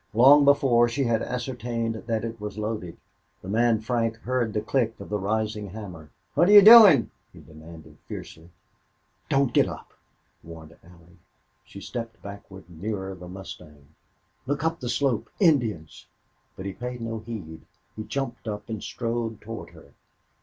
Long before, she had ascertained that it was loaded. The man Frank heard the click of the raising hammer. "What're you doin'?" he demanded, fiercely. "Don't get up!" warned Allie. She stepped backward nearer the mustang. "Look up the slope!... Indians!" But he paid no heed. He jumped up and strode toward her.